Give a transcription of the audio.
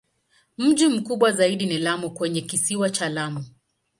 Mji mkubwa zaidi ni Lamu kwenye Kisiwa cha Lamu.